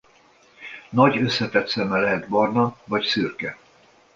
Nagy összetett szeme lehet barna vagy szürke.